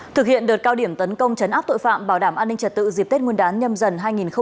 thực hiện đợt cao điểm tấn công chấn áp tội phạm bảo đảm an ninh trật tự dịp tết nguyên đán nhâm dần hai nghìn hai mươi bốn